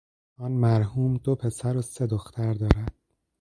آن مرحوم دو پسر و سه دختر دارد.